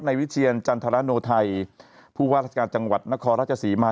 ในวิทยาลัยเชียร์จันทรณนโอไทยผู้วาลักษณ์จังหวัดนครราชสีมหาล